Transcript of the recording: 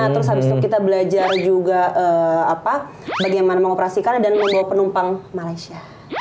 terus habis itu kita belajar juga bagaimana mengoperasikannya dan membawa penumpang malaysia